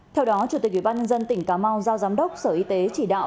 theo đó chủ tịch ubnd tỉnh cà mau giao giám đốc sở y tế chỉ đạo